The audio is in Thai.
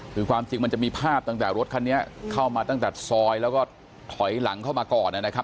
คือความจริงมันจะมีภาพตั้งแต่รถคันนี้เข้ามาตั้งแต่ซอยแล้วก็ถอยหลังเข้ามาก่อนนะครับ